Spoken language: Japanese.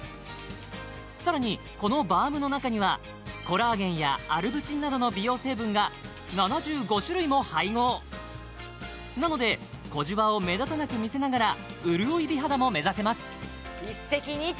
更にこのバームの中にはコラーゲンやアルブチンなどの美容成分が７５種類も配合なので小じわを目立たなく見せながら潤い美肌も目指せます一石二鳥！